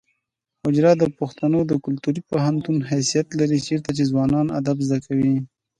حجره د پښتنو د کلتوري پوهنتون حیثیت لري چیرته چې ځوانان ادب زده کوي.